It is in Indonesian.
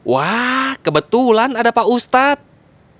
wah kebetulan ada pak ustadz